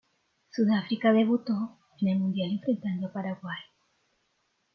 Sudáfrica debutó en el Mundial enfrentando a Paraguay.